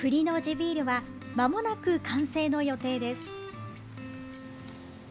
ビールはまもなく完成の予定です。